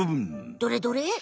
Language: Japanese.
どれどれ？